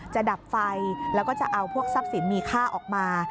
ดับไฟแล้วก็จะเอาพวกทรัพย์สินมีค่าออกมา